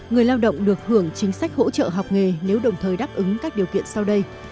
người lao động được hưởng chính sách hỗ trợ học nghề nếu đồng thời đáp ứng các điều kiện sau đây